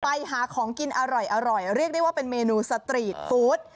ไปหาของกินอร่อยเรียกได้ว่าเป็นเมนูสตรีทฟู้ด